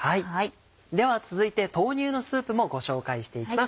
では続いて豆乳のスープもご紹介していきます。